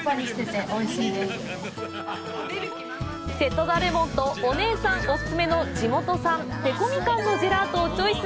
瀬戸田レモンとお姉さんお勧めの地元産「でこみかん」のジェラートをチョイス！